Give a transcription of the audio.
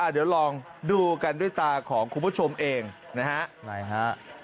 เดี๋ยวลองดูกันด้วยตาของคุณผู้ชมเองนะฮะไหนฮะ